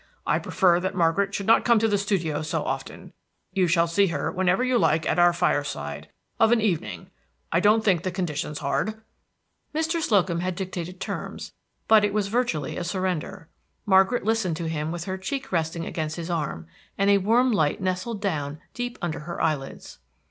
I prefer that Margaret should not come to the studio so often; you shall see her whenever you like at our fireside, of an evening. I don't think the conditions hard." Mr. Slocum had dictated terms, but it was virtually a surrender. Margaret listened to him with her cheek resting against his arm, and a warm light nestled down deep under her eyelids.